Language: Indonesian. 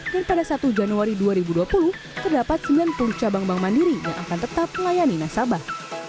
dan pada satu januari dua ribu dua puluh terdapat sembilan puluh cabang bank mandiri yang akan tetap melayani nasabah